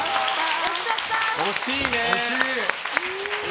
惜しいね。